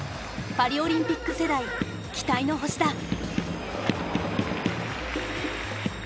パリオリンピック世代期待の星だ。